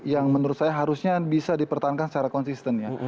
yang menurut saya harusnya bisa dipertahankan secara konsisten ya